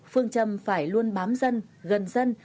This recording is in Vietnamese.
phương trâm phải luôn bám dân gần dân